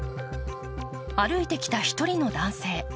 歩いてきた１人の男性。